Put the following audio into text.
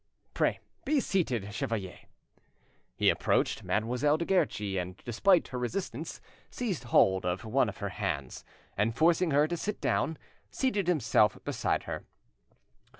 Pray be seated, chevalier." He approached Mademoiselle de Guerchi, and, despite her resistance, seized hold of one of her hands, and forcing her to sit down, seated himself beside her.